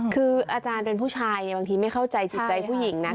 คืออาจารย์เป็นผู้ชายบางทีไม่เข้าใจจิตใจผู้หญิงนะ